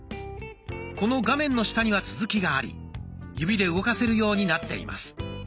この画面の下には続きがあり指で動かせるようになっています。